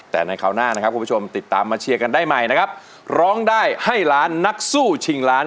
แต่ในคราวหน้านะครับคุณผู้ชมติดตามมาเชียร์กันได้ใหม่นะครับร้องได้ให้ล้านนักสู้ชิงล้าน